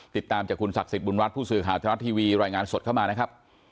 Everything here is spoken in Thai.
ติดตามจากคุณศักดิ์สิทธิบุญรัฐผู้สื่อข่าวทรัฐทีวีรายงานสดเข้ามานะครับ